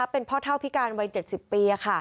เป็นพ่อเท่าพิการวัย๗๐ปี